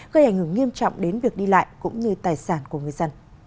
gây ảnh hưởng nghiêm trọng đến việc đi lại cũng như tài sản của người dân